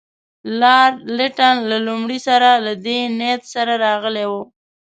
لارډ لیټن له لومړي سره له دې نیت سره راغلی وو.